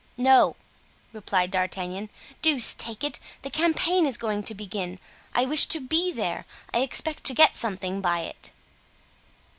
"No!" replied D'Artagnan, "deuce take it, the campaign is going to begin; I wish to be there, I expect to get something by it."